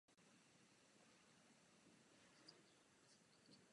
Možná bychom se měli zamyslet, proč tomu tak bylo.